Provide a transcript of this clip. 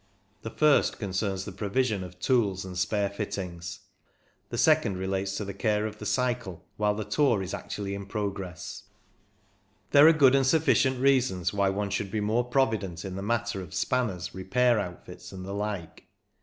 The first concerns the provision of tools and spare fittings ; the second re lates to the care of the cycle while the 238 CYCLING IN THE ALPS tour is actually in progress. There are good and sufficient reasons why one should be more provident in the matter of spanners, repair outfits, and the like.